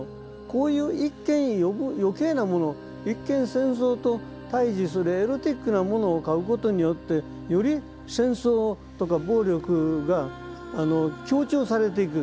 こういう一見余計なもの一見戦争と対峙するエロティックなものを描くことによってより戦争とか暴力が強調されていく。